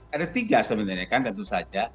ada tiga sebenarnya kan tentu saja